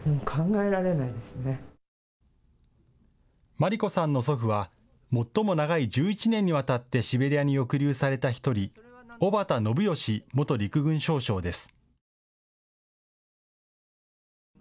真理子さんの祖父は最も長い１１年にわたってシベリアに抑留された１人、小畑信良元陸軍少将です。